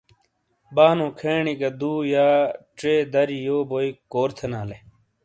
بانو کھینی گہ دو یا چئے دری یو بوئی کور تھینالے۔